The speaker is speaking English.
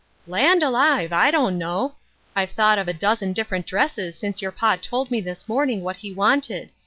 " Land alive, I don't know. I've thought of a dozen different dresses since your pa told me this morning what he wanted.